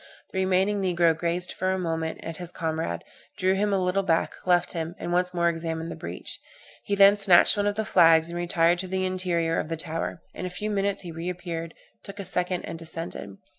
The remaining negro gazed for a moment on his comrade, drew him a little back, left him, and once more examined the breach. He then snatched one of the flags, and retired to the interior of the tower; in a few minutes he re appeared, took a second and descended.